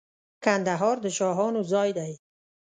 کندهار د شاهانو ځای دی.